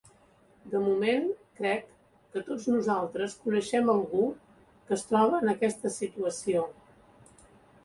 De moment, crec que tots nosaltres coneixem algú que es troba en aquesta situació.